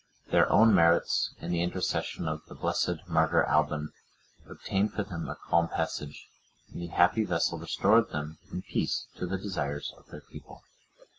Their own merits, and the intercession of the blessed martyr Alban, obtained for them a calm passage, and the happy vessel restored them in peace to the desires of their people.